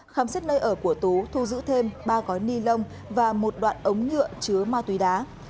khám xét nơi ở của tú thu giữ thêm ba gói ni lông và một đoạn ống nhựa chứa ma túy đá